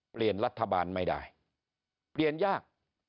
เปลี่ยนรัฐบาลไม่ได้เปลี่ยนยาก